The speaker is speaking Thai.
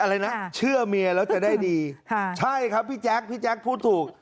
อะไรนะเชื่อเมียแล้วจะได้ดีค่ะใช่ครับพี่แจ๊คพี่แจ๊คพูดถูก